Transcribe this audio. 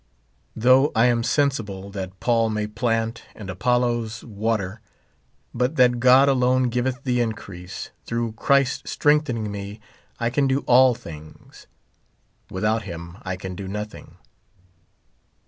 Though I am sensible that Paul may plant, and Apollos water, but that God alone giveth the increase, through Christ strengthening me I can do all things ; without him I can do nothing.